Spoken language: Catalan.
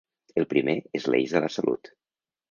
El primer és l’eix de la salut.